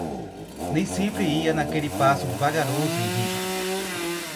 Nem sempre ia naquele passo vagaroso e rígido.